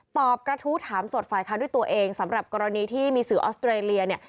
กระทู้ถามสดฝ่ายค้านด้วยตัวเองสำหรับกรณีที่มีสื่อออสเตรเลียเนี่ย